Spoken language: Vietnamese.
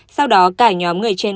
sau đó cả nhóm người trên